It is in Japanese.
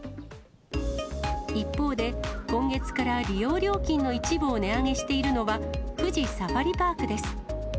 一方で、今月から利用料金の一部を値上げしているのは、富士サファリパークです。